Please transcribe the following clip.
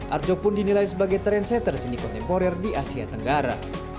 arjok pun dinilai sebagai trendsetter seni kontemporer di asia tenggara